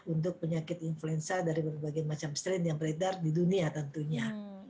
untuk penyakit influenza dari berbagai macam strain yang beredar di dunia tentunya